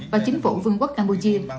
và chính phủ vương quốc campuchia